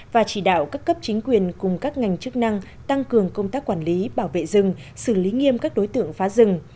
và chỉ đạo các cấp chính quyền cùng các ngành chức năng tăng cường công tác quản lý bảo vệ rừng xử lý nghiêm các đối tượng phá rừng